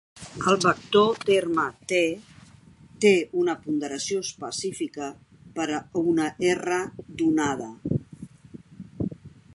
El vector terme "t" té una ponderació específica per a una "R" donada.